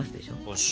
よし。